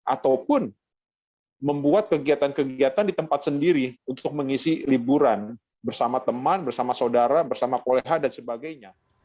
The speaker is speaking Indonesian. ataupun membuat kegiatan kegiatan di tempat sendiri untuk mengisi liburan bersama teman bersama saudara bersama koleha dan sebagainya